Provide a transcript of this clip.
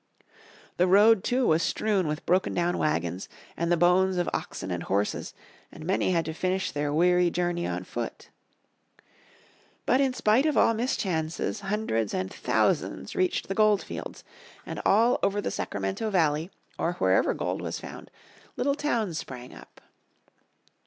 The road too was strewn with broken down wagons, and the bones of oxen and horses, and many had to finish their weary journey on foot. But in spite of all mischances hundreds and thousands reached the gold fields, and all over the Sacramento Valley, or wherever gold was found, little towns sprang up.